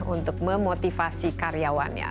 untuk memotivasi karyawannya